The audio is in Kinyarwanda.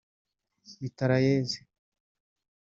mitrailleuse